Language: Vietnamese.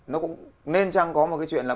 nó cũng nên chăng có một cái chuyện là